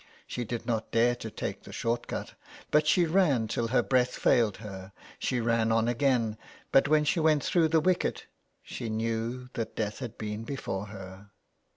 She did not dare to take the short cut, but she ran till her breath failed her. She ran on again, but when she went through the wicket she knew that Death had been before her.